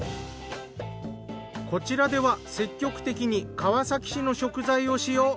こちらでは積極的に川崎市の食材を使用。